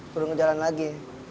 turun ke jalan lagi